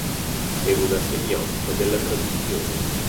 Per una semiotica della traduzione.